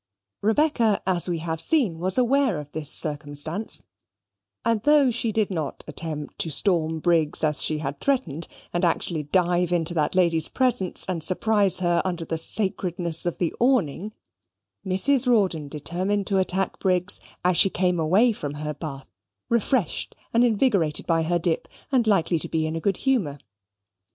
Rebecca, as we have seen, was aware of this circumstance, and though she did not attempt to storm Briggs as she had threatened, and actually dive into that lady's presence and surprise her under the sacredness of the awning, Mrs. Rawdon determined to attack Briggs as she came away from her bath, refreshed and invigorated by her dip, and likely to be in good humour.